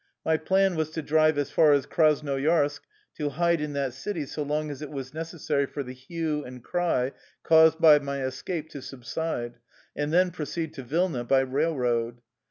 My plan was to drive as far as Krasnoyarsk, to hide in that city so long as it was necessary for the hue and cry caused by my escape to subside, and then proceed to Vilna by railroad.